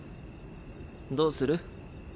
どうする？